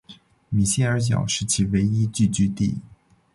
米歇尔角是其唯一聚居地。